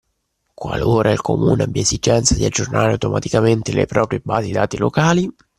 Qualora il Comune abbia esigenza di aggiornare automaticamente le proprie basi dati locali